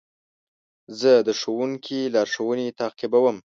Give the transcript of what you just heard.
زه د ښوونکي لارښوونې تعقیبوم.